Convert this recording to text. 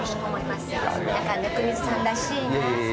何か温水さんらしいな。